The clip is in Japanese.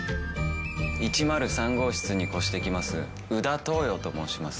１０３号室に越してきます宇田桃葉と申します。